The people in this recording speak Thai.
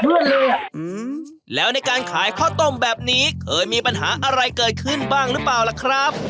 แล้วในการขายข้าวต้มแบบนี้เคยมีปัญหาอะไรเกิดขึ้นบ้างหรือเปล่าล่ะครับ